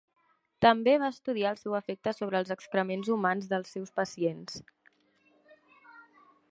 També va estudiar el seu efecte sobre els excrements humans dels seus pacients.